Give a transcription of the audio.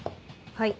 はい。